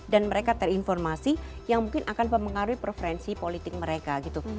dan mereka terinformasi yang mungkin akan mempengaruhi preferensi politik mereka gitu